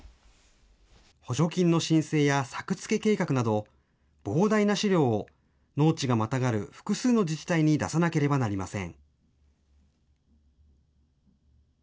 補助金の申請や作付け計画など、膨大な資料を農地がまたがる複数の自治体に出さなければなりません。